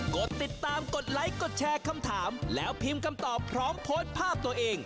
กดติดตามกดไลค์กดแชร์คำถามแล้วพิมพ์คำตอบพร้อมโพสต์ภาพตัวเอง